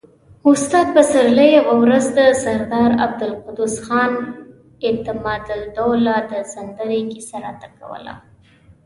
استاد پسرلي يوه ورځ د سردار عبدالقدوس خان اعتمادالدوله د سندرې کيسه راته کوله.